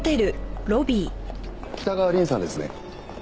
北川凛さんですね？